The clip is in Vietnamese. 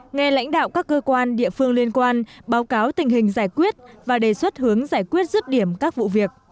nghe lãnh đạo các cơ quan địa phương liên quan báo cáo tình hình giải quyết và đề xuất hướng giải quyết rứt điểm các vụ việc